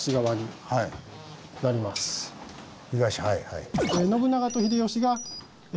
東はいはい。